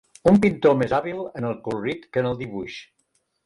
Un pintor més hàbil en el colorit que en el dibuix.